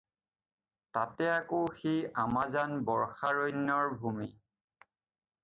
তাতে আকৌ সেই আমাজন বৰ্ষাৰণ্যৰ ভূমি।